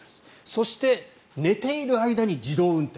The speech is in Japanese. そして、寝ている間に自動運転。